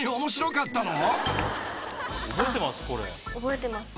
あっ覚えてます。